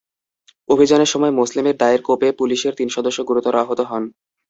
অভিযানের সময় মোসলেমের দায়ের কোপে পুলিশের তিন সদস্য গুরুতর আহত হন।